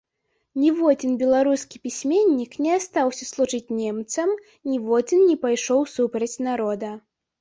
Ніводзін беларускі пісьменнік не астаўся служыць немцам, ніводзін не пайшоў супраць народа.